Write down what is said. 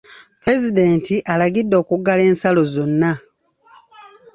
Pulezidenti alagidde okuggala ensalo zonna.